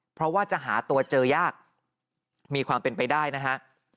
เพราะว่าจะหาตัวเจอยากมีความเป็นไปได้นะฮะ